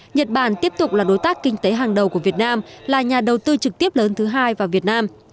nhật bản tiếp tục là đối tác kinh tế hàng đầu của việt nam là nhà đầu tư trực tiếp lớn thứ hai vào việt nam